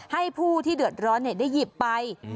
ให้ผู้ที่เดือดร้อนได้หยิบไป